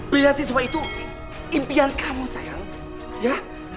billah si semua itu impian kamu sayang ya